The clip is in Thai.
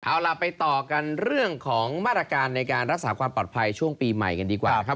เอาล่ะไปต่อกันเรื่องของมาตรการในการรักษาความปลอดภัยช่วงปีใหม่กันดีกว่านะครับ